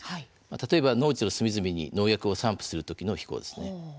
例えば農地の隅々に農薬を散布する時の飛行です。